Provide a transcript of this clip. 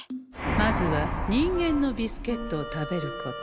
まずは人間のビスケットを食べること。